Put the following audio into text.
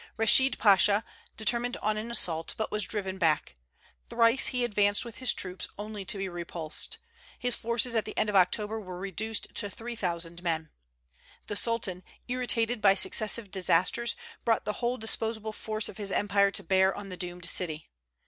Reschid Pasha determined on an assault, but was driven back. Thrice he advanced with his troops, only to be repulsed. His forces at the end of October were reduced to three thousand men. The Sultan, irritated by successive disasters, brought the whole disposable force of his empire to bear on the doomed city.